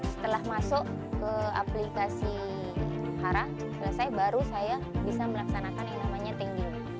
setelah masuk ke aplikasi hara selesai baru saya bisa melaksanakan yang namanya thank you